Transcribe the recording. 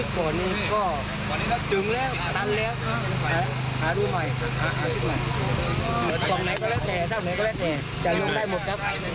พวกน้องอาจจะเปลี่ยนแผนไหมคะ